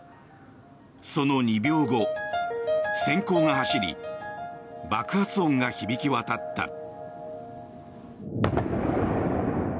その２秒後、閃光が走り爆発音が響き渡った。